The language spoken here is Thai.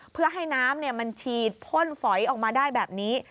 เพื่อให้น้ำมันฉีดพ่นฝอยออกมาได้แบบนี้